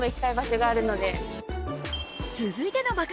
続いての爆